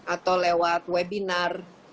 atau lewat webinar